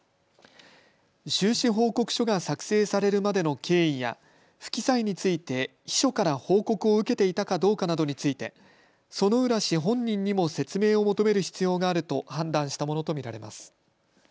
収支報告書が作成されるまでの経緯や不記載について秘書から報告を受けていたかどうかなどについて薗浦氏本人にも説明を求める必要があると判断したものと見られます。